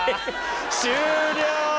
終了！